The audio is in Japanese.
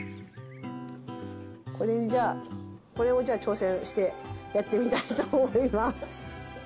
これをじゃあ挑戦してやってみたいと思います。